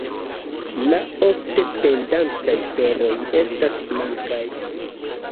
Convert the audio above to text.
La ofte pendantaj floroj estas blankaj.